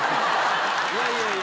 いやいやいや。